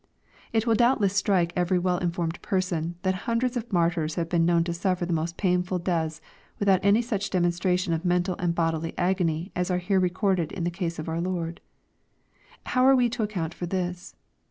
It will doubtless strike every well informed person, that hundreds of martyrs have been known to suffer the most painful deaths, with out any such demonstrations of mental and bodily agony as are here recorded in the citee of our Lord. How are we to account for this